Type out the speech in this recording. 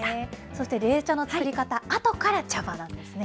そして冷茶の作り方、あとから茶葉なんですね。